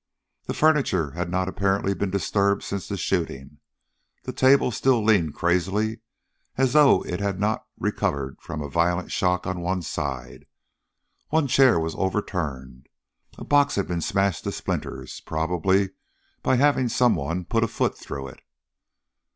The furniture had not apparently been disturbed since the shooting. The table still leaned crazily, as though it had not recovered from a violent shock on one side. One chair was overturned. A box had been smashed to splinters, probably by having someone put a foot through it.